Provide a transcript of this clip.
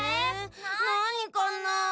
なにかな？